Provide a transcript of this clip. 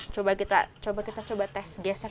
coba kita tes geseknya